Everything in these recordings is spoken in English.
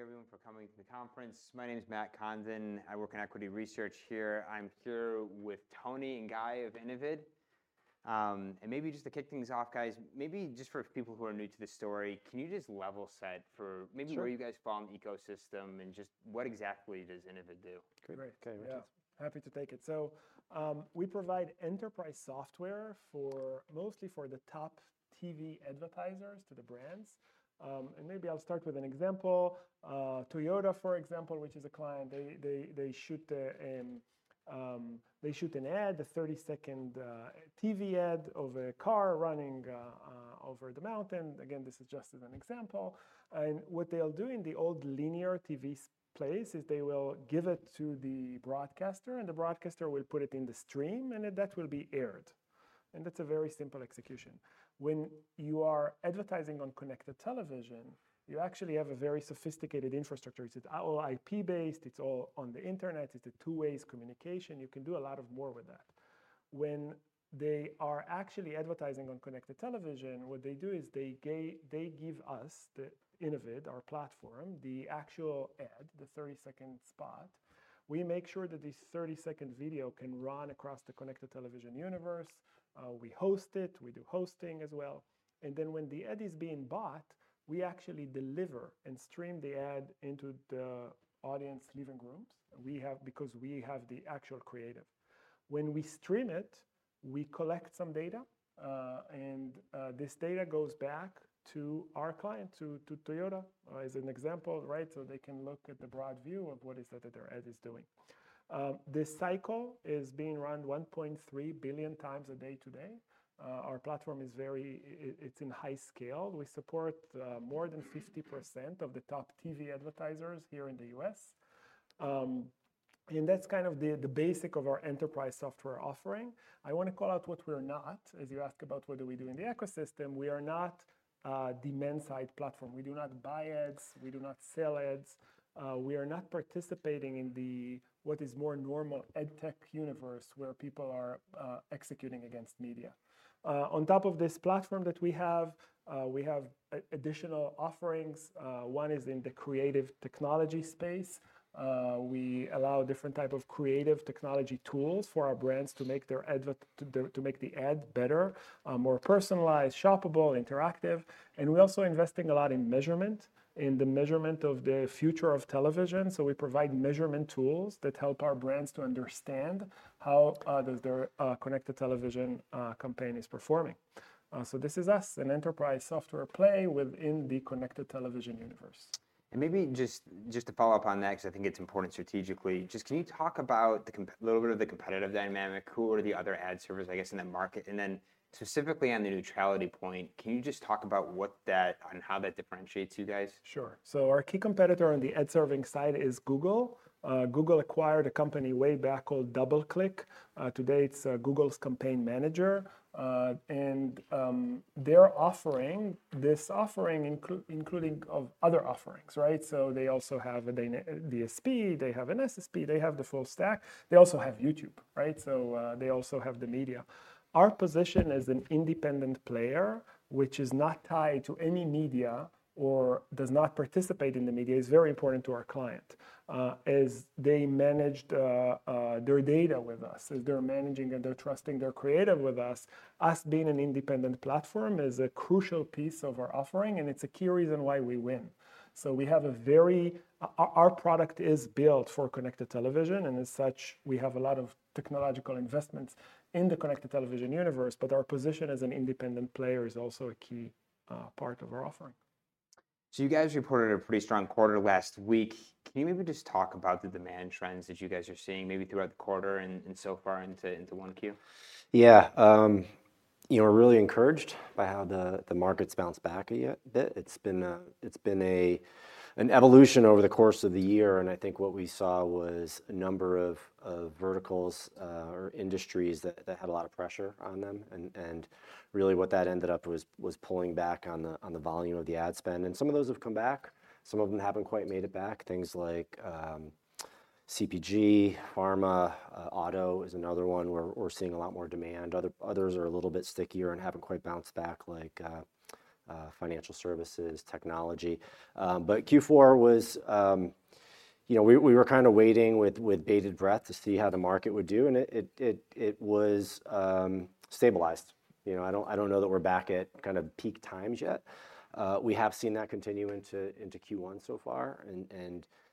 Thank you, everyone, for coming to the conference. My name is Matt Condon. I work in equity research here. I'm here with Tony and guy of Innovid. And maybe just to kick things off, guys, maybe just for people who are new to this story, can you just level set for maybe where you guys fall in the ecosystem, and just what exactly does Innovid do? Great. Great. Okay, Zvika. Yeah, happy to take it. So we provide enterprise software mostly for the top TV advertisers to the brands. And maybe I'll start with an example: Toyota, for example, which is a client, they shoot an ad, a 30-second TV ad of a car running over the mountain. Again, this is just as an example. And what they'll do in the old linear TV place is they will give it to the broadcaster, and the broadcaster will put it in the stream, and that will be aired. And that's a very simple execution. When you are advertising on connected television, you actually have a very sophisticated infrastructure. It's all IP-based, it's all on the internet, it's a two-way communication. You can do a lot more with that. When they are actually advertising on connected television, what they do is they give us, Innovid, our platform, the actual ad, the 30-second spot. We make sure that this 30-second video can run across the connected television universe. We host it, we do hosting as well. And then when the ad is being bought, we actually deliver and stream the ad into the audience living rooms, because we have the actual creative. When we stream it, we collect some data, and this data goes back to our client, to Toyota, as an example, so they can look at the broad view of what it is that their ad is doing. This cycle is being run 1.3 billion times a day today. Our platform is very, it's in high scale. We support more than 50% of the top TV advertisers here in the U.S. That's kind of the basic of our enterprise software offering. I want to call out what we're not. As you ask about what do we do in the ecosystem, we are not a demand-side platform. We do not buy ads, we do not sell ads. We are not participating in what is more normal ad tech universe, where people are executing against media. On top of this platform that we have, we have additional offerings. One is in the creative technology space. We allow different types of creative technology tools for our brands to make the ad better, more personalized, shoppable, interactive. And we're also investing a lot in measurement, in the measurement of the future of television. So we provide measurement tools that help our brands to understand how their connected television campaign is performing. So this is us, an enterprise software play within the connected television universe. And maybe just to follow up on that, because I think it's important strategically, just can you talk about a little bit of the competitive dynamic? Who are the other ad servers, I guess, in that market? And then specifically on the neutrality point, can you just talk about how that differentiates you guys? Sure. So our key competitor on the ad serving side is Google. Google acquired a company way back called DoubleClick. Today, it's Google's Campaign Manager. And they're offering this offering, including other offerings. So they also have the SSP, they have an SSP, they have the full stack. They also have YouTube. So they also have the media. Our position as an independent player, which is not tied to any media or does not participate in the media, is very important to our client. As they manage their data with us, as they're managing and they're trusting their creative with us, us being an independent platform is a crucial piece of our offering, and it's a key reason why we win. So we have a very our product is built for connected television, and as such, we have a lot of technological investments in the connected television universe. But our position as an independent player is also a key part of our offering. You guys reported a pretty strong quarter last week. Can you maybe just talk about the demand trends that you guys are seeing maybe throughout the quarter and so far into Q1? Yeah. We're really encouraged by how the market's bounced back a bit. It's been an evolution over the course of the year, and I think what we saw was a number of verticals or industries that had a lot of pressure on them. And really what that ended up was pulling back on the volume of the ad spend. And some of those have come back. Some of them haven't quite made it back, things like CPG, pharma. Auto is another one where we're seeing a lot more demand. Others are a little bit stickier and haven't quite bounced back, like financial services, technology. But Q4 was we were kind of waiting with bated breath to see how the market would do, and it was stabilized. I don't know that we're back at kind of peak times yet. We have seen that continue into Q1 so far.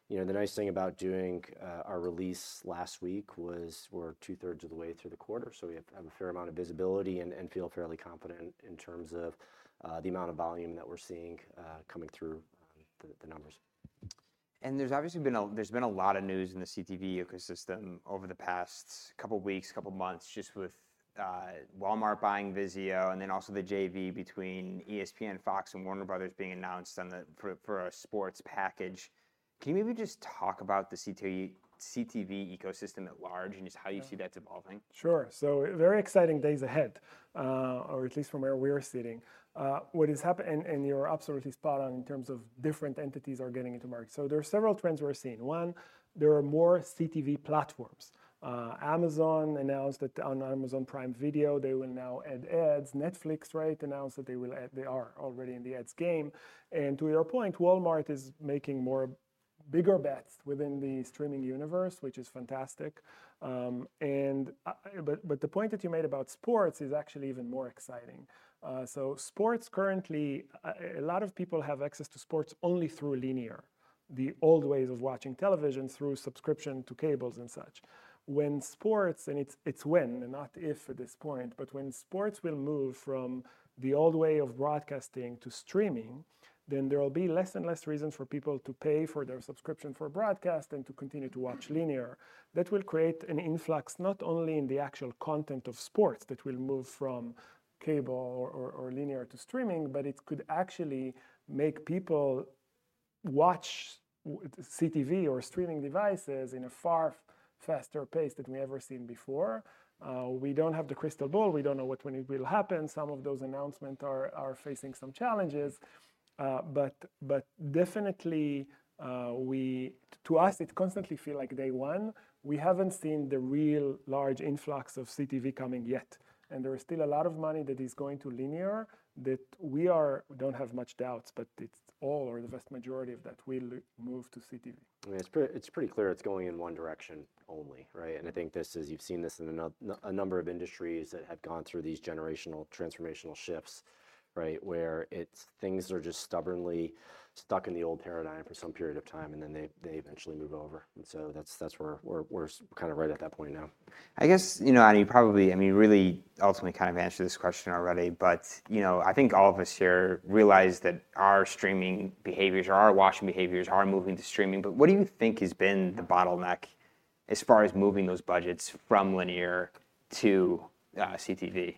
The nice thing about doing our release last week was we're two-thirds of the way through the quarter, so we have a fair amount of visibility and feel fairly confident in terms of the amount of volume that we're seeing coming through the numbers. There's obviously been a lot of news in the CTV ecosystem over the past couple of weeks, couple of months, just with Walmart buying VIZIO, and then also the JV between ESPN-FOX-Warner Bros. being announced for a sports package. Can you maybe just talk about the CTV ecosystem at large and just how you see that's evolving? Sure. So very exciting days ahead, or at least from where we are sitting. What has happened, and you're absolutely spot on in terms of different entities are getting into market. So there are several trends we're seeing. One, there are more CTV platforms. Amazon announced that on Amazon Prime Video, they will now add ads. Netflix announced that they will add; they are already in the ads game. And to your point, Walmart is making bigger bets within the streaming universe, which is fantastic. But the point that you made about sports is actually even more exciting. So sports currently, a lot of people have access to sports only through linear, the old ways of watching television through subscription to cables and such. When sports and it's when, not if at this point, but when sports will move from the old way of broadcasting to streaming, then there will be less and less reasons for people to pay for their subscription for broadcast and to continue to watch linear. That will create an influx not only in the actual content of sports that will move from cable or linear to streaming, but it could actually make people watch CTV or streaming devices in a far faster pace than we ever seen before. We don't have the crystal ball. We don't know what when it will happen. Some of those announcements are facing some challenges. But definitely, to us, it constantly feels like day one. We haven't seen the real large influx of CTV coming yet. There is still a lot of money that is going to linear that we don't have much doubt, but it's all, or the vast majority of that, will move to CTV. It's pretty clear it's going in one direction only. And I think this is, you've seen this in a number of industries that have gone through these generational transformational shifts, where things are just stubbornly stuck in the old paradigm for some period of time, and then they eventually move over. And so that's where we're kind of right at that point now. I guess, you know, and he, probably I mean, really ultimately kind of answered this question already, but I think all of us here realize that our streaming behaviors, our watching behaviors, are moving to streaming. But what do you think has been the bottleneck as far as moving those budgets from linear to CTV?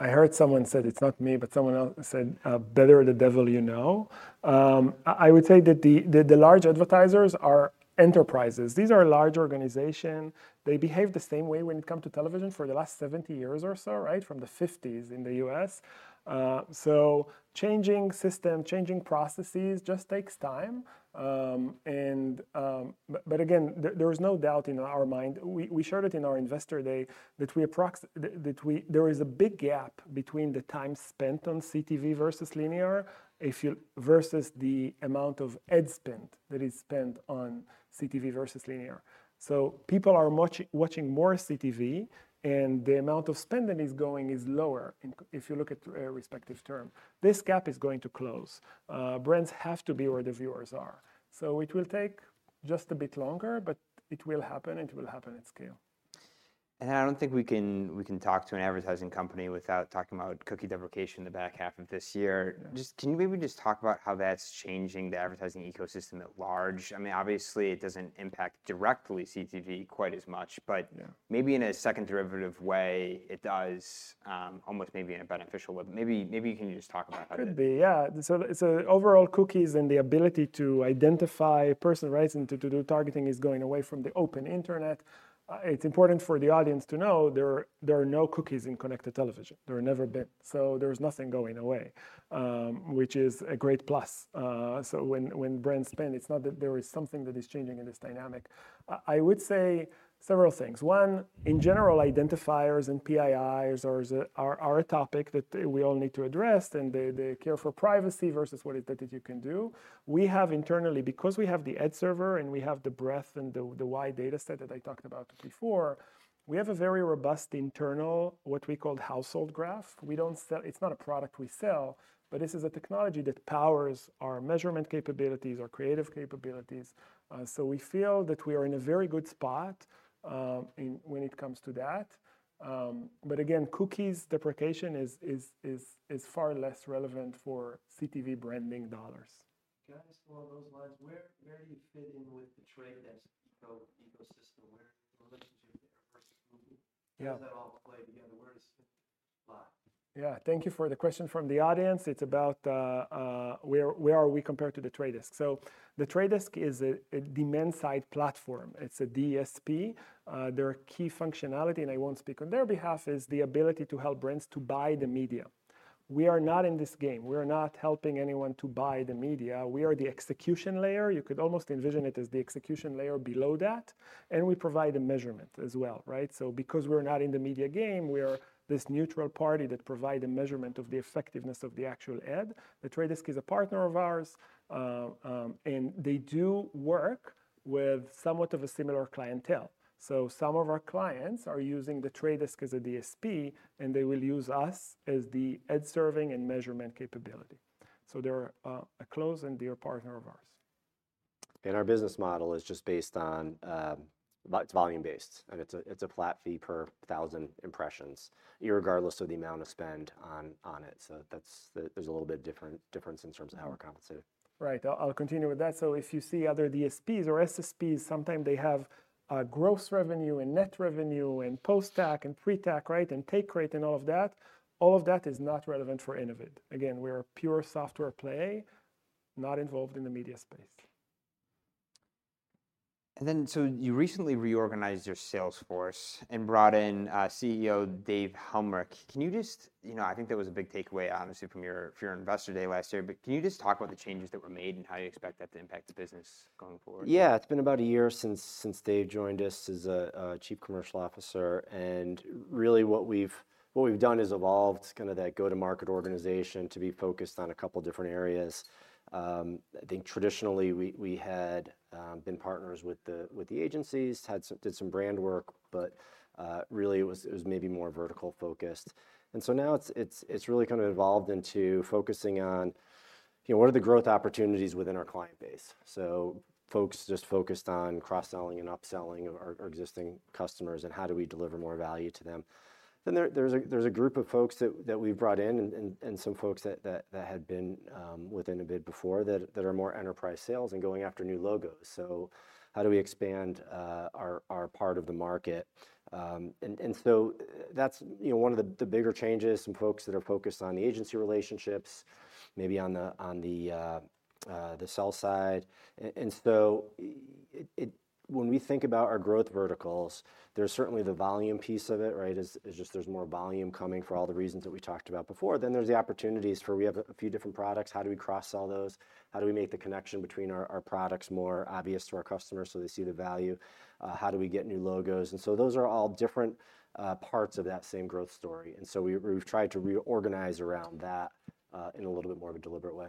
I heard someone said it's not me, but someone else said, "Better the devil you know." I would say that the large advertisers are enterprises. These are large organizations. They behave the same way when it comes to television for the last 70 years or so, from the '50s in the U.S. So changing systems, changing processes just takes time. But again, there is no doubt in our mind we shared it in our Investor Day that there is a big gap between the time spent on CTV versus linear versus the amount of ad spend that is spent on CTV versus linear. So people are watching more CTV, and the amount of spend that is going is lower if you look at respective terms. This gap is going to close. Brands have to be where the viewers are. It will take just a bit longer, but it will happen, and it will happen at scale. I don't think we can talk to an advertising company without talking about cookie deprecation the back half of this year. Can you maybe just talk about how that's changing the advertising ecosystem at large? I mean, obviously, it doesn't impact directly CTV quite as much, but maybe in a second derivative way, it does, almost maybe in a beneficial way. Maybe you can just talk about how that. Could be, yeah. So overall, cookies and the ability to identify personal rights and to do targeting is going away from the open internet. It's important for the audience to know there are no cookies in connected television. There have never been. So there's nothing going away, which is a great plus. So when brands spend, it's not that there is something that is changing in this dynamic. I would say several things. One, in general, identifiers and PIIs are a topic that we all need to address, and the care for privacy versus what it is that you can do. We have internally, because we have the ad server and we have the breadth and the wide data set that I talked about before, we have a very robust internal, what we call, household graph. It's not a product we sell, but this is a technology that powers our measurement capabilities, our creative capabilities. So we feel that we are in a very good spot when it comes to that. But again, cookie deprecation is far less relevant for CTV branding dollars. Can I explore those lines? Where do you fit in with The Trade Desk ecosystem? Where is the relationship there versus Google? How does that all play together? Where does it lie? Yeah, thank you for the question from the audience. It's about where are we compared to The Trade Desk? So, The Trade Desk is a demand-side platform. It's a DSP. Their key functionality, and I won't speak on their behalf, is the ability to help brands to buy the media. We are not in this game. We are not helping anyone to buy the media. We are the execution layer. You could almost envision it as the execution layer below that. And we provide the measurement as well. So, because we're not in the media game, we are this neutral party that provides a measurement of the effectiveness of the actual ad. The Trade Desk is a partner of ours, and they do work with somewhat of a similar clientele. So some of our clients are using The Trade Desk as a DSP, and they will use us as the ad serving and measurement capability. So they're a close and dear partner of ours. Our business model is just based on it's volume-based, and it's a flat fee per 1,000 impressions, regardless of the amount of spend on it. So there's a little bit of difference in terms of how we're compensated. Right. I'll continue with that. So if you see other DSPs or SSPs, sometimes they have gross revenue and net revenue and post-tax and pre-tax and take rate and all of that. All of that is not relevant for Innovid. Again, we are pure software play, not involved in the media space. You recently reorganized your sales force and brought in CEO Dave Helmreich. Can you just, I think that was a big takeaway, honestly, from your Investor Day last year. But can you just talk about the changes that were made and how you expect that to impact the business going forward? Yeah. It's been about a year since Dave joined us as Chief Commercial Officer. And really, what we've done is evolved kind of that go-to-market organization to be focused on a couple of different areas. I think traditionally we had been partners with the agencies, did some brand work, but really it was maybe more vertical-focused. And so now it's really kind of evolved into focusing on what are the growth opportunities within our client? So folks just focused on cross-selling and upselling our existing customers, and how do we deliver more value to them? Then there's a group of folks that we've brought in, and some had been with Innovid before that are more enterprise sales and going after new logos. So how do we expand our part of the market? And so that's one of the bigger changes: some folks that are focused on the agency relationships, maybe on the sell side. And so when we think about our growth verticals, there's certainly the volume piece of it; it is just there's more volume coming for all the reasons that we talked about before. Then there's the opportunities for we have a few different products. How do we cross-sell those? How do we make the connection between our products more obvious to our customers so they see the value? How do we get new logos? And so those are all different parts of that same growth story. And so we've tried to reorganize around that in a little bit more of a deliberate way.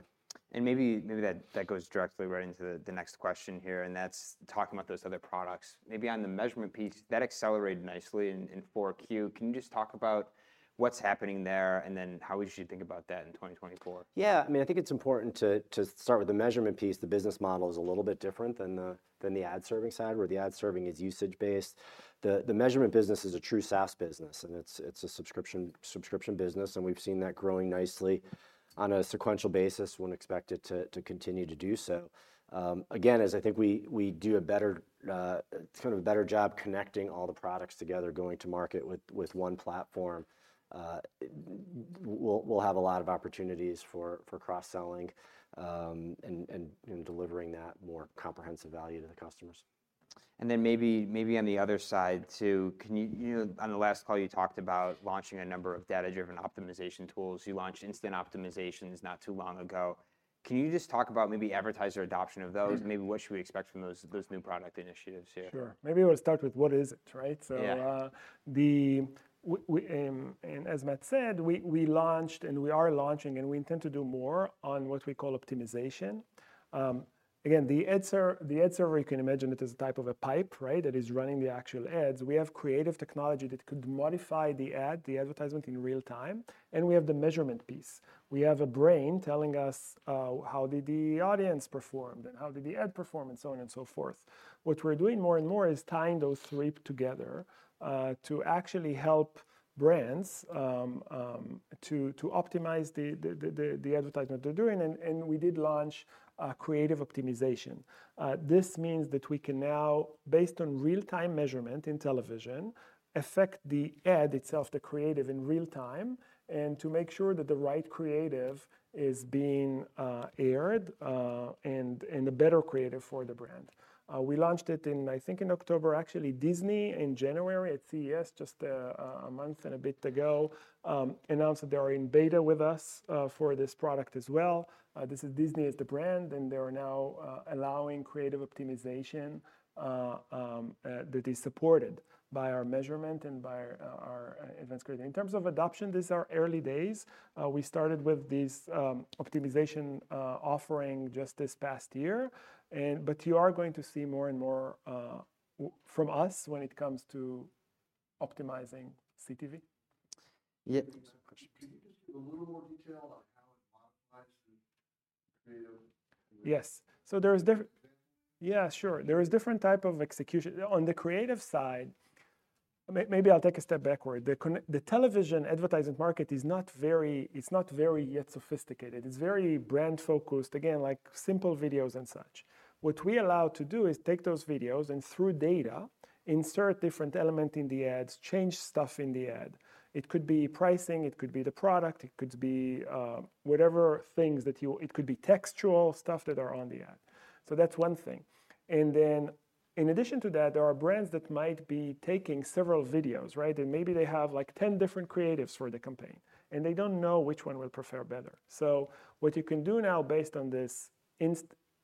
Maybe that goes directly right into the next question here, and that's talking about those other products. Maybe on the measurement piece, that accelerated nicely in Q4. Can you just talk about what's happening there and then how we should think about that in 2024? Yeah. I mean, I think it's important to start with the measurement piece. The business model is a little bit different than the ad serving side, where the ad serving is usage-based. The measurement business is a true SaaS business, and it's a subscription business. And we've seen that growing nicely on a sequential basis. We'll expect it to continue to do so. Again, as I think we do a better, it's kind of a better job connecting all the products together, going to market with one platform. We'll have a lot of opportunities for cross-selling and delivering that more comprehensive value to the customers. Then maybe on the other side, too, on the last call, you talked about launching a number of data-driven optimization tools. You launched instant optimizations not too long ago. Can you just talk about maybe advertiser adoption of those? Maybe what should we expect from those new product initiatives here? Sure. Maybe I would start with what is it? So as Matt said, we launched and we are launching, and we intend to do more on what we call optimization. Again, the ad server, you can imagine it as a type of a pipe that is running the actual ads. We have creative technology that could modify the ad, the advertisement, in real time. And we have the measurement piece. We have a brain telling us how did the audience perform and how did the ad perform, and so on and so forth. What we're doing more and more is tying those three together to actually help brands to optimize the advertisement they're doing. And we did launch creative optimization. This means that we can now, based on real-time measurement in television, affect the ad itself, the creative, in real time, and to make sure that the right creative is being aired and a better creative for the brand. We launched it in, I think, in October. Actually, Disney, in January at CES, just a month and a bit ago, announced that they are in beta with us for this product as well. This is Disney as the brand, and they are now allowing creative optimization that is supported by our measurement and by our advanced creative. In terms of adoption, these are early days. We started with this optimization offering just this past year. But you are going to see more and more from us when it comes to optimizing CTV. Can you just give a little more detail on how it modifies the creative? Yes. So there is different type of execution. On the creative side, maybe I'll take a step backward. The television advertisement market is not very sophisticated yet. It's very brand-focused, again, like simple videos and such. What we allow to do is take those videos and, through data, insert different elements in the ads, change stuff in the ad. It could be pricing. It could be the product. It could be whatever things that could be textual stuff that are on the ad. So that's one thing. And then in addition to that, there are brands that might be taking several videos. And maybe they have like 10 different creatives for the campaign, and they don't know which one will prefer better. So, what you can do now, based on this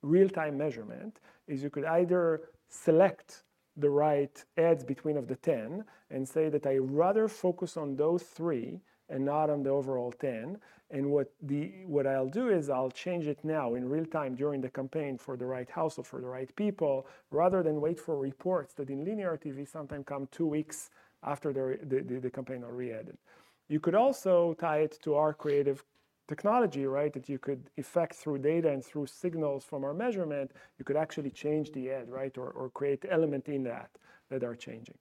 real-time measurement, is you could either select the right ads between the 10 and say that I'd rather focus on those three and not on the overall 10. And what I'll do is I'll change it now in real time during the campaign for the right house or for the right people, rather than wait for reports that, in linear TV, sometimes come two weeks after the campaign or re-added. You could also tie it to our creative technology that you could affect through data and through signals from our measurement. You could actually change the ad or create elements in that that are changing.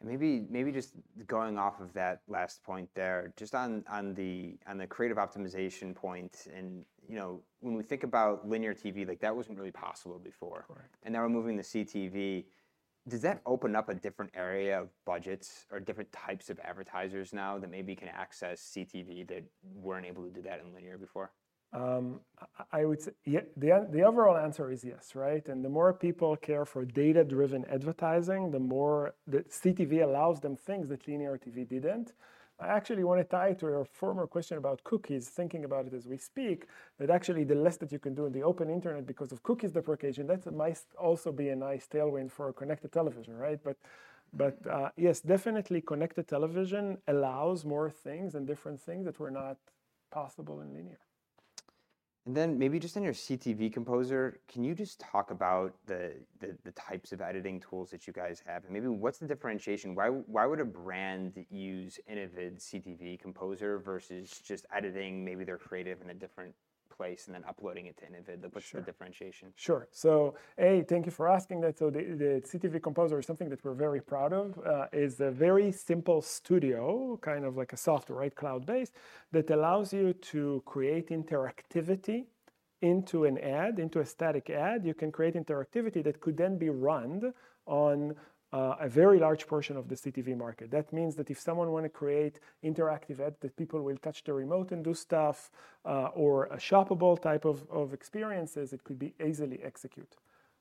And maybe just going off of that last point there, just on the creative optimization point, and when we think about Linear TV, that wasn't really possible before. And now we're moving to CTV. Does that open up a different area of budgets or different types of advertisers now that maybe can access CTV that weren't able to do that in Linear before? Yeah, the overall answer is yes. The more people care for data-driven advertising, the more that CTV allows them things that linear TV didn't. I actually want to tie it to your former question about cookies, thinking about it as we speak, that actually, the less that you can do in the open internet because of cookies deprecation, that might also be a nice tailwind for connected television. But yes, definitely connected television allows more things and different things that were not possible in linear. And then maybe just in your CTV Composer, can you just talk about the types of editing tools that you guys have? And maybe what's the differentiation? Why would a brand use Innovid CTV Composer versus just editing, maybe their creative in a different place, and then uploading it to Innovid? What's the differentiation? Sure. So A, thank you for asking that. So the CTV Composer is something that we're very proud of. It's a very simple studio, kind of like a software, cloud-based, that allows you to create interactivity into an ad, into a static ad. You can create interactivity that could then be run on a very large portion of the CTV market. That means that if someone wanted to create interactive ads that people will touch the remote and do stuff, or a shoppable type of experiences, it could be easily executed.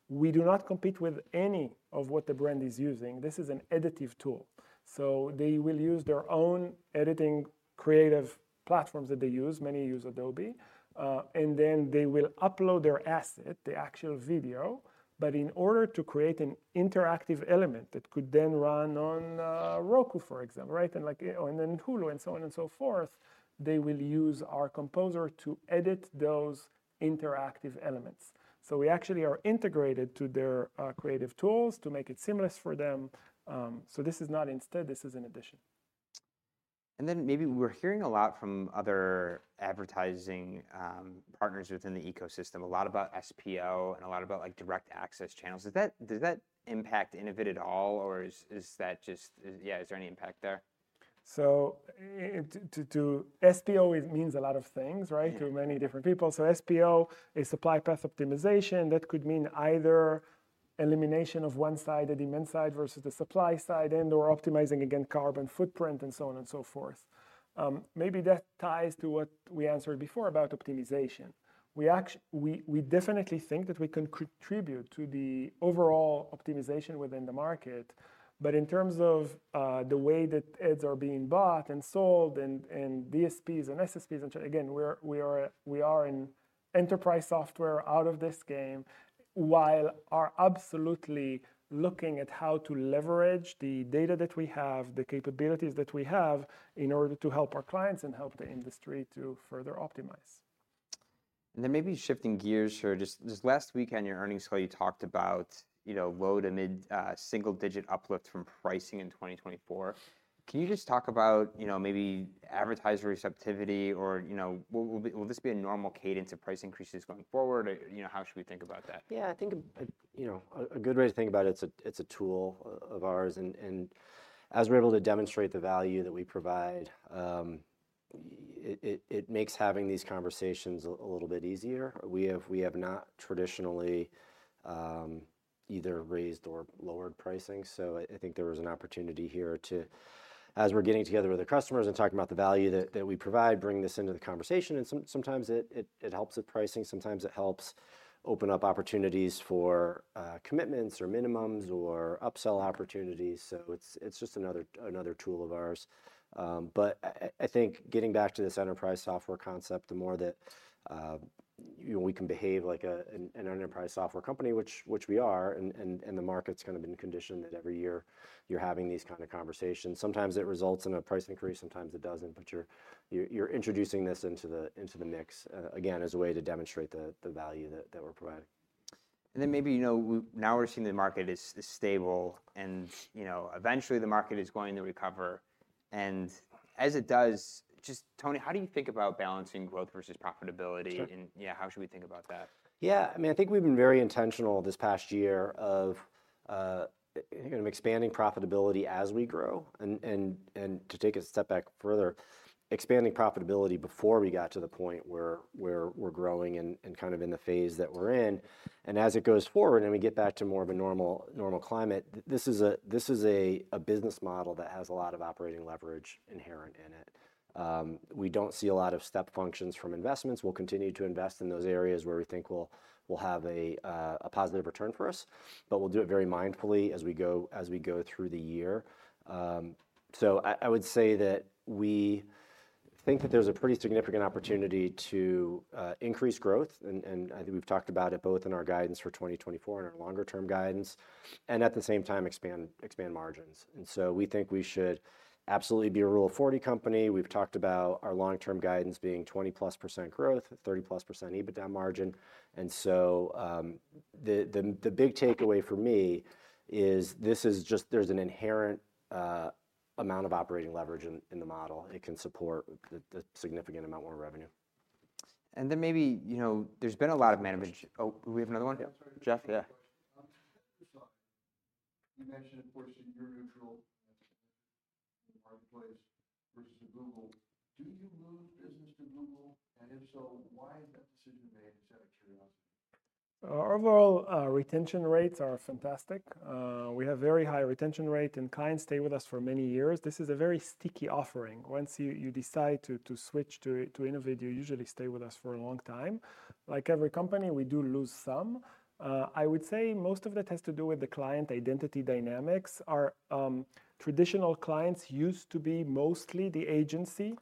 We do not compete with any of what the brand is using. This is an additive tool. So they will use their own editing creative platforms that they use. Many use Adobe. And then they will upload their asset, the actual video. But in order to create an interactive element that could then run on Roku, for example, and then Hulu, and so on and so forth, they will use our composer to edit those interactive elements. So we actually are integrated to their creative tools to make it seamless for them. So this is not instead. This is an addition. And then maybe we're hearing a lot from other advertising partners within the ecosystem, a lot about SPO, and a lot about direct access channels. Does that impact Innovid at all, or is that just, is there any impact there? So SPO means a lot of things to many different people. So SPO is Supply Path Optimization. That could mean either elimination of one side, the demand side versus the supply side, and/or optimizing, again, carbon footprint, and so on and so forth. Maybe that ties to what we answered before about optimization. We definitely think that we can contribute to the overall optimization within the market. But in terms of the way that ads are being bought and sold and DSPs and SSPs, again, we are in enterprise software out of this game, while absolutely looking at how to leverage the data that we have, the capabilities that we have in order to help our clients and help the industry to further optimize. Maybe shifting gears here, just last weekend, your earnings call, you talked about low to mid single-digit uplift from pricing in 2024. Can you just talk about maybe advertiser receptivity, or will this be a normal cadence of price increases going forward? How should we think about that? Yeah. I think a good way to think about it, it's a tool of ours. And as we're able to demonstrate the value that we provide, it makes having these conversations a little bit easier. We have not traditionally either raised or lowered pricing. So I think there was an opportunity here to, as we're getting together with our customers and talking about the value that we provide, bring this into the conversation. And sometimes it helps with pricing. Sometimes it helps open up opportunities for commitments, or minimums, or upsell opportunities. So it's just another tool of ours. But I think getting back to this enterprise software concept, the more that we can behave like an enterprise software company, which we are, and the market's kind of been conditioned that every year you're having these kind of conversations, sometimes it results in a price increase. Sometimes it doesn't. You're introducing this into the mix, again, as a way to demonstrate the value that we're providing. And then maybe now we're seeing the market is stable, and eventually the market is going to recover. And as it does, just, Tony, how do you think about balancing growth versus profitability? And yeah, how should we think about that? Yeah. I mean, I think we've been very intentional this past year of expanding profitability as we grow. To take a step back further, expanding profitability before we got to the point where we're growing and kind of in the phase that we're in. As it goes forward and we get back to more of a normal climate, this is a business model that has a lot of operating leverage inherent in it. We don't see a lot of step functions from investments. We'll continue to invest in those areas where we think will have a positive return for us. But we'll do it very mindfully as we go through the year. So I would say that we think that there's a pretty significant opportunity to increase growth. I think we've talked about it both in our guidance for 2024 and our longer-term guidance, and at the same time, expand margins. So we think we should absolutely be a Rule of 40 company. We've talked about our long-term guidance being 20%+ growth, 30%+ EBITDA margin. So the big takeaway for me is there's an inherent amount of operating leverage in the model. It can support a significant amount more revenue. And then maybe there's been a lot of management. Oh, we have another one? Jeff, yeah. You mentioned, of course, your neutral marketplace versus Google. Do you move business to Google? And if so, why is that decision made? Is that a curiosity? Overall, retention rates are fantastic. We have a very high retention rate. Clients stay with us for many years. This is a very sticky offering. Once you decide to switch to Innovid, you usually stay with us for a long time. Like every company, we do lose some. I would say most of that has to do with the client identity dynamics. Traditional clients used to be mostly the agency.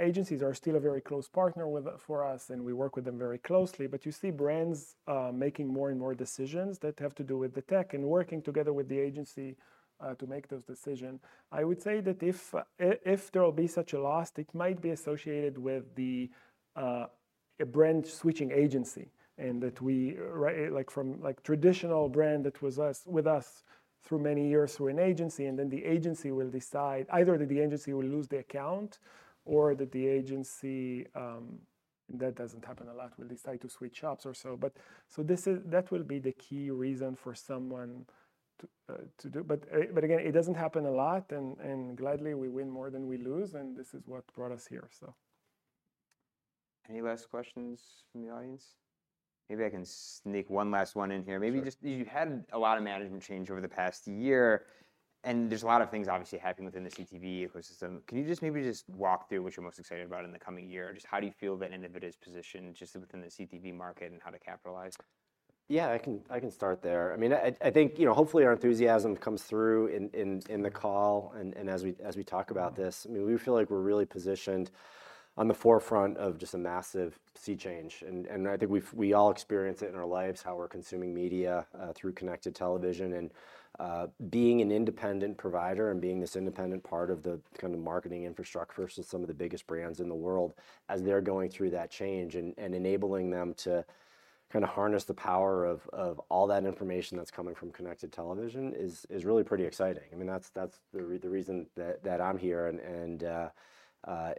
Agencies are still a very close partner for us, and we work with them very closely. But you see brands making more and more decisions that have to do with the tech and working together with the agency to make those decisions. I would say that if there will be such a loss, it might be associated with a brand switching agency and that we from traditional brand that was with us through many years through an agency, and then the agency will decide either that the agency will lose the account or that the agency and that doesn't happen a lot will decide to switch shops or so. But that will be the key reason for someone to do. But again, it doesn't happen a lot. And gladly, we win more than we lose. And this is what brought us here. Any last questions from the audience? Maybe I can sneak one last one in here. Maybe just you've had a lot of management change over the past year, and there's a lot of things, obviously, happening within the CTV ecosystem. Can you just maybe just walk through what you're most excited about in the coming year? Just how do you feel that Innovid is positioned just within the CTV market, and how to capitalize? Yeah, I can start there. I mean, I think hopefully our enthusiasm comes through in the call and as we talk about this. I mean, we feel like we're really positioned on the forefront of just a massive sea change. I think we all experience it in our lives, how we're consuming media through connected television. Being an independent provider and being this independent part of the kind of marketing infrastructure versus some of the biggest brands in the world as they're going through that change and enabling them to kind of harness the power of all that information that's coming from connected television is really pretty exciting. I mean, that's the reason that I'm here.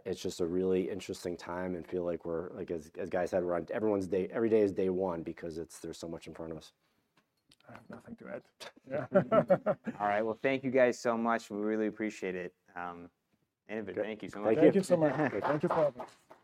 It's just a really interesting time, and feel like we're, as guys said, every day is day one because there's so much in front of us. I have nothing to add. All right. Well, thank you, guys so much. We really appreciate it. Innovid, thank you so much. Thank you so much. Thank you for having us.